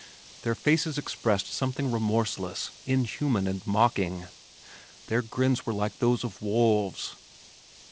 Their faces expressed something remorseless, inhuman and mocking. Their grins were like those of wolves.